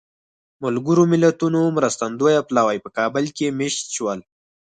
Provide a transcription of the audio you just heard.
ملګرو ملتونو مرستندویه پلاوی په کابل کې مېشت شول.